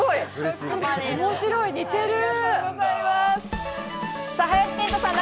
面白い、似てる！